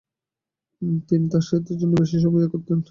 তিনি তার সাহিত্যর জন্যে বেশি সময় ব্যয় করতেন।